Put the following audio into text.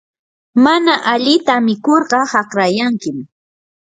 mana alita mikurqa haqrayankim.